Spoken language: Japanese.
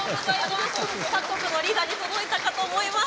各国のリーダーに届いたかと思います。